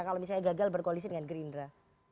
kalau misalnya gagal berkoalisi dengan gerindra